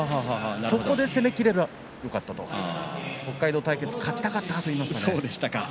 そこで攻めきれればよかった北海道対決勝ちたかったと言っていました。